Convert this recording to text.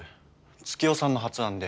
月代さんの発案で。